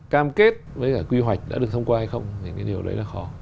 chúng ta có kết với cả quy hoạch đã được thông qua hay không thì cái điều đấy là khó